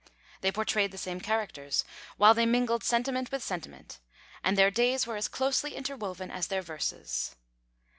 They pourtrayed the same characters, while they mingled sentiment with sentiment; and their days were as closely interwoven as their verses.